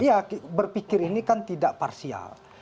iya berpikir ini kan tidak parsial